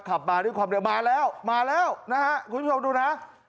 ขับมาด้วยความเร็วมาแล้วมาแล้วนะฮะคุณผู้ชมดูนะ